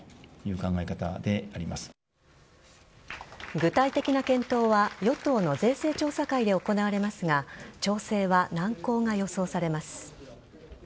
具体的な検討は与党の税制調査会で行われますが調整は難航が予想されます。